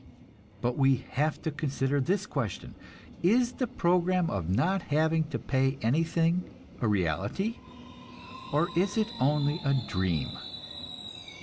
But we have to consider this question: Is the program of not having to pay anything a reality, or is it only a dream?